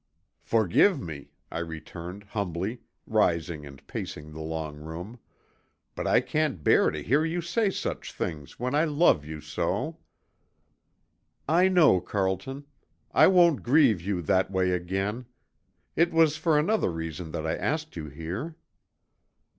"Forgive me," I returned humbly, rising and pacing the long room, "but I can't bear to hear you say such things when I love you so!" "I know, Carlton. I won't grieve you that way again. It was for another reason that I asked you here."